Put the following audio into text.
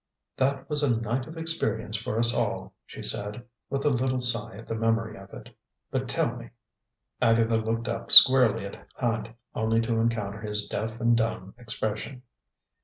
"That was a night of experience for us all," she said, with a little sigh at the memory of it. "But tell me " Agatha looked up squarely at Hand, only to encounter his deaf and dumb expression.